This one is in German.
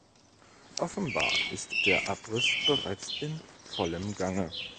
Offenbar ist der Abriss bereits in vollem Gange.